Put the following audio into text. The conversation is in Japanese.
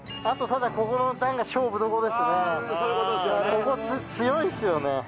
あとただここの段が勝負どころですね。